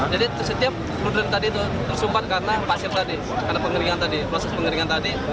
jadi setiap flugen tadi itu tersumpat karena pasir tadi karena pengeringan tadi proses pengeringan tadi